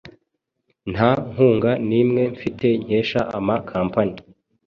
Nta nkunga nimwe mfite nkesha ama company